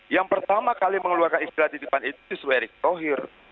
yang pertama kali mengeluarkan istilah titipan itu suerit tohir